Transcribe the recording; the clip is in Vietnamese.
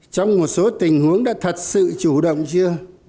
trong một số tình huống đã thật sự chủ động chưa